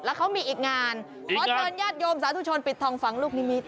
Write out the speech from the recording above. แล้วเขามีอีกงานขอเชิญญาติโยมสาธุชนปิดทองฝังลูกนิมิต